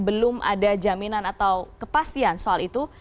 belum ada jaminan atau kepastian soal itu